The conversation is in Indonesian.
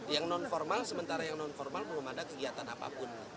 yang non formal sementara yang non formal belum ada kegiatan apapun